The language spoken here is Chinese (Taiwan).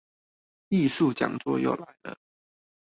藝術講座又來了